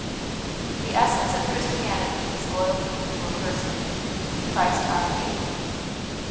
The Essence of Christianity is Loyalty to a Person. Christ ', our King.